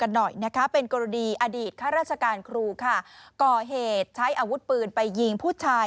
หน่อยนะคะเป็นกรณีอดีตข้าราชการครูค่ะก่อเหตุใช้อาวุธปืนไปยิงผู้ชาย